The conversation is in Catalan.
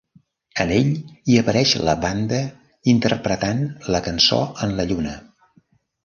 En ell hi apareix la banda interpretant la cançó en la Lluna.